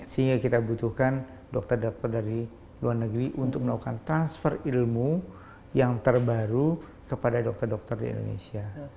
sehingga kita butuhkan dokter dokter dari luar negeri untuk melakukan transfer ilmu yang terbaru kepada dokter dokter di indonesia